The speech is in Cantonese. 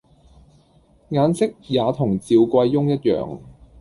眼色也同趙貴翁一樣，